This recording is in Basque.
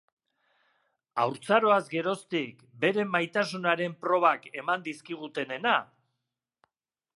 Haurtzaroaz geroztik beren maitasunaren probak eman dizkigutenena?